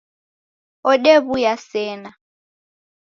Odew'uya sena